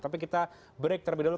tapi kita break terlebih dahulu